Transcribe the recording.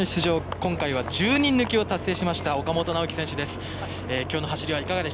今回は１０人抜きを達成しました岡本直己選手です。